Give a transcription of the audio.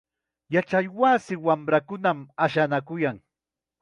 Yachaywasi wamrakunam ashanakuyan.